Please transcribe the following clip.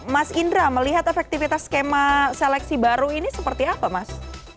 mas indra melihat efektivitas skema seleksi baru ini seperti apa mas